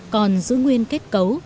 còn giữ nguyên kết cấu